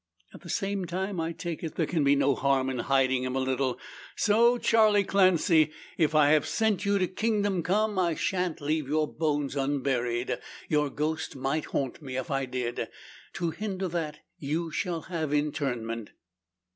At the same time, I take it, there can be no harm in hiding him a little. So, Charley Clancy, if I have sent you to kingdom come, I shan't leave your bones unburied. Your ghost might haunt me, if I did. To hinder that you shall have interment."